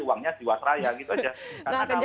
uangnya di wasraya gitu saja